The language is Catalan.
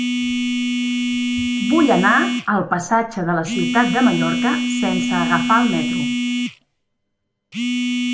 Vull anar al passatge de la Ciutat de Mallorca sense agafar el metro.